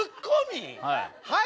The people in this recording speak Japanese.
はい。